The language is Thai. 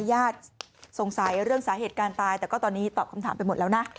ญาติสงสัยเรื่องสาเหตุการณ์ตายแต่ก็ตอนนี้ตอบคำถามไปหมดแล้วนะ